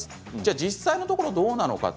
実際のところどうなのかと。